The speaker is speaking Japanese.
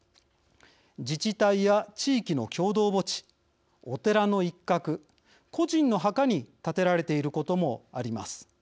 自治体や地域の共同墓地お寺の一角、個人の墓に建てられていることもあります。